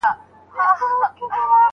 د ژوند سرود